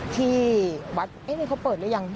ที่วัดเขาเปิดรึยัง